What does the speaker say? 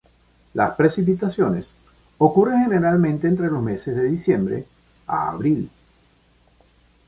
Las precipitaciones ocurren generalmente entre los meses de diciembre a abril.